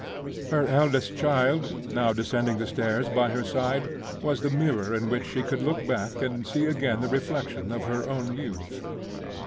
Her eldest child, now descending the stairs by her side, was the mirror in which she could look back and see again the reflection of her own youth.